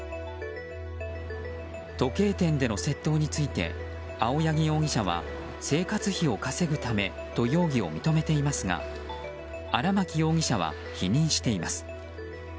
時計店での窃盗について青柳容疑者は生活費を稼ぐためと容疑を認めていますが荒巻容疑者は否認しています。